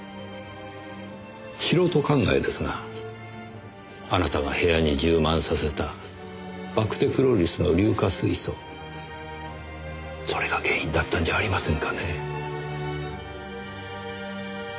素人考えですがあなたが部屋に充満させたバクテクロリスの硫化水素それが原因だったんじゃありませんかね。